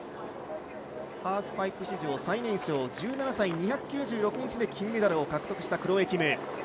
ハーフパイプ史上最年少１７歳２９６日で金メダルを獲得したクロエ・キム。